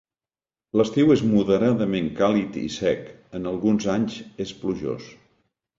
L'estiu és moderadament càlid i sec, en alguns anys és plujós.